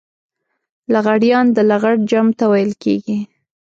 لغړيان د لغړ جمع ته ويل کېږي.